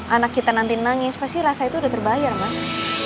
anak kita nanti nangis pasti rasa itu udah terbayar mas